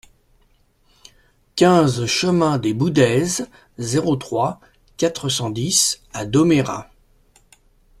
quinze chemin des Boudaises, zéro trois, quatre cent dix à Domérat